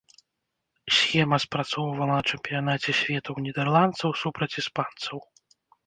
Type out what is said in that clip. Схема спрацоўвала на чэмпіянаце свету ў нідэрландцаў супраць іспанцаў.